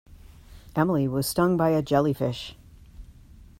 Emily was stung by a jellyfish.